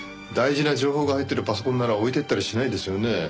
大事な情報が入ってるパソコンなら置いていったりしないですよね。